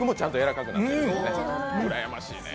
うらやましいね。